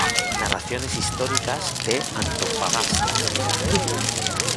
Narraciones históricas de Antofagasta.